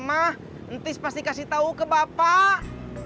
entis pasti kasih tahu ke bapak